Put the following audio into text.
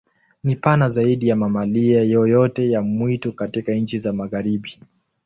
Ni pana zaidi ya mamalia yoyote ya mwitu katika nchi za Magharibi.